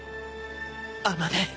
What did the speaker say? あまね。